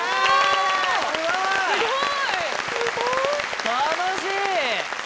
すごい！